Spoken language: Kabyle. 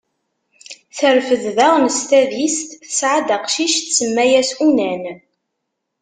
Terfed daɣen s tadist, tesɛa-d aqcic, tsemma-as Unan.